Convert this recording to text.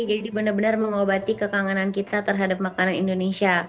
jadi benar benar mengobati kekangenan kita terhadap makanan indonesia